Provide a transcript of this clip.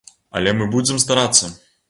Але мы будзем старацца!